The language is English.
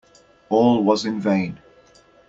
All was in vain.